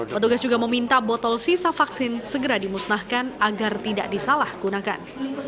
petugas juga meminta botol sisa vaksin segera dimusnahkan agar tidak disalahgunakan